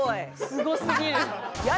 すごすぎる！